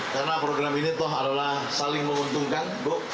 karena program ini toh adalah saling menguntungkan